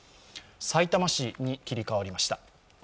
さいたま市に切り替わりました。